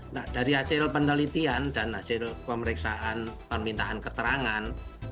nah dari hasil penelitian dan hasil pemeriksaan permintaan keterangan